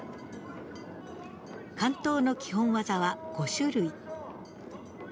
竿燈の基本技は５種類。